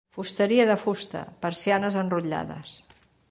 Fusteria de fusta, persianes enrotllades.